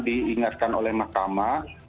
diingatkan oleh mahkamah